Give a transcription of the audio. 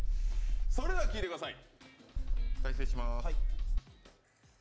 それでは聞いてください。